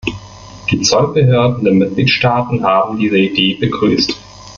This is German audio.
Die Zollbehörden der Mitgliedstaaten haben diese Idee begrüßt.